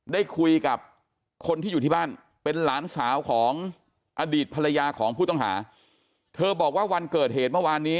ได้คุยกับคนที่อยู่ที่บ้านเป็นหลานสาวของอดีตภรรยาของผู้ต้องหาเธอบอกว่าวันเกิดเหตุเมื่อวานนี้